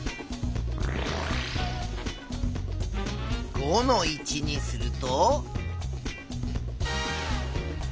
５の位置にすると？